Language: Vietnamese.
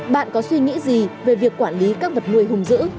bạn có suy nghĩ gì về việc quản lý các vật nuôi chó